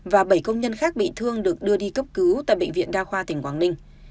và bảy công nhân khác bị thương được đưa đi cấp cứu tại bệnh viện đa khoa tỉnh quảng ninh